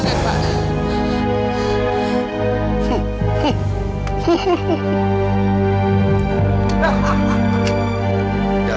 nggak ada apa apaamer